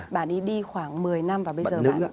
bạn ấy đi khoảng một mươi năm và bây giờ